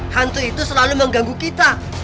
hantu itu selalu mengganggu kita